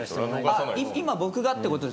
今僕がってことですか？